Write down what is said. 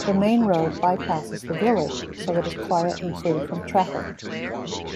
The main road bypasses the village so it is quiet and free from traffic.